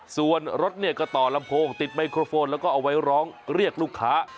ส่วนรถเนี่ยก็ต่อลำโพงติดไมโครโฟนแล้วก็เอาไว้ร้องเรียกลูกค้า